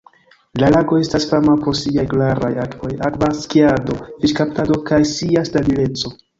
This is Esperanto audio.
La lago estas fama pro siaj klaraj akvoj, akva skiado, fiŝkaptado, kaj sia stabileco.